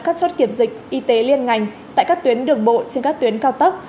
các chốt kiểm dịch y tế liên ngành tại các tuyến đường bộ trên các tuyến cao tốc